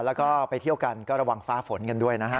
แล้วก็ไปเที่ยวกันก็ระวังฟ้าฝนกันด้วยนะฮะ